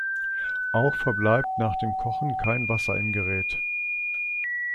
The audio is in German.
Auch verbleibt nach dem Kochen kein Wasser im Gerät.